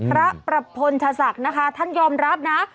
พระประพลชศักดิ์นะคะท่านยอมรับนะ